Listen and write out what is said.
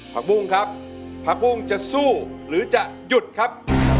ปุ้งครับผักบุ้งจะสู้หรือจะหยุดครับ